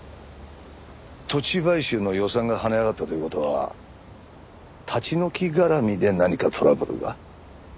土地買収の予算が跳ね上がったという事は立ち退き絡みで何かトラブルが？